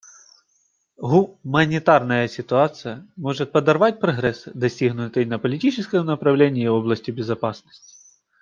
Гуманитарная ситуация может подорвать прогресс, достигнутый на политическом направлении и в области безопасности.